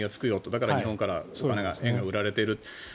だから日本から円が売られている。